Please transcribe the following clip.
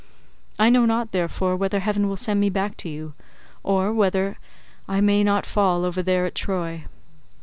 I know not, therefore, whether heaven will send me back to you, or whether I may not fall over there at Troy.